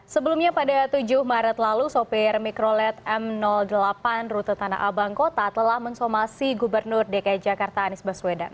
sebelumnya pada tujuh maret lalu sopir mikrolet m delapan rute tanah abang kota telah mensomasi gubernur dki jakarta anies baswedan